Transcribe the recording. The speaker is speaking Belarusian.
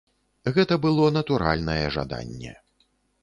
Гэта было натуральнае жаданне.